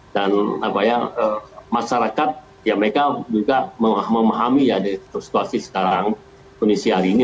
dan masyarakat mereka juga memahami situasi sekarang kondisi hari ini